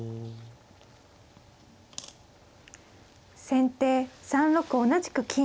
先手３六同じく金。